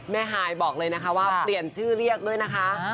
ฮายบอกเลยนะคะว่าเปลี่ยนชื่อเรียกด้วยนะคะ